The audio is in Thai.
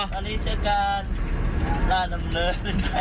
สวัสดีเชื่อกันร่าดำเนิน